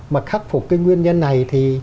mà khắc phục cái nguyên nhân này thì